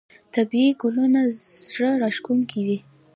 طبیعي ګلونه زړه راښکونکي وي.